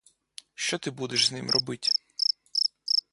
Що ти будеш з ним робить?